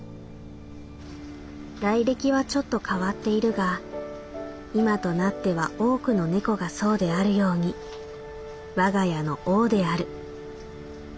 「来歴はちょっと変わっているが今となっては多くの猫がそうであるように我が家の王である。